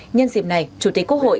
nhân dịp này chủ tịch quốc hội